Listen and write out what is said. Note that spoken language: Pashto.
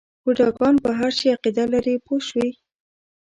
بوډاګان په هر شي عقیده لري پوه شوې!.